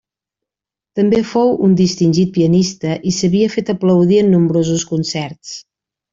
També fou un distingit pianista i s'havia fet aplaudir en nombrosos concerts.